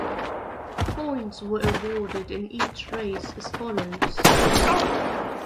Points were awarded in each race as follows.